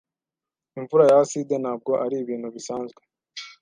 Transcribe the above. Imvura ya aside ntabwo ari ibintu bisanzwe.